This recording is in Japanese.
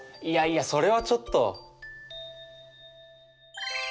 いやいやそれはちょっと。